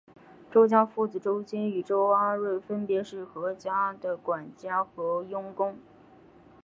周家父子周金与周阿瑞分别是何家的管家和佣工。